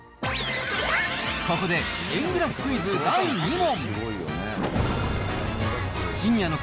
ここで円グラフクイズ第２問。